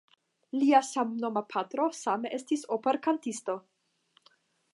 Lia samnoma patro same estis operkantisto.